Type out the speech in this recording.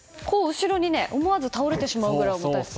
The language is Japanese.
後ろに思わず倒れてしまうくらい重たい。